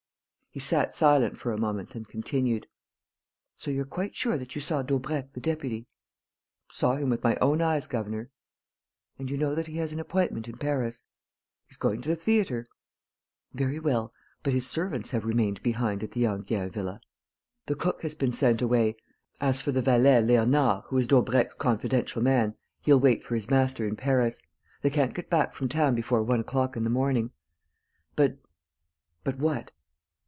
He sat silent for a moment and continued: "So you're quite sure that you saw Daubrecq the deputy?" "Saw him with my own eyes, governor." "And you know that he has an appointment in Paris?" "He's going to the theatre." "Very well; but his servants have remained behind at the Enghien villa...." "The cook has been sent away. As for the valet, Léonard, who is Daubrecq's confidential man, he'll wait for his master in Paris. They can't get back from town before one o'clock in the morning. But...." "But what?"